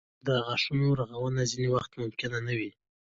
د غاښونو رغونه ځینې وختونه ممکنه نه وي.